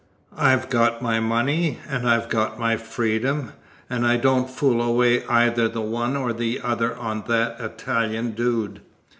I've got my money, and I've got my freedom, and I don't fool away either the one or the other on that Italian dude!"